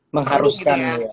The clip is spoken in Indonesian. mengharuskan gitu ya